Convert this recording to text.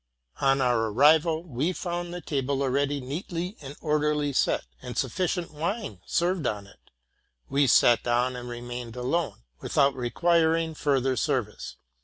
On our arrival we found the table already neatly and orderly set, and sufficient wine served on it: we sat down and remained alone, without requiring further ser vice.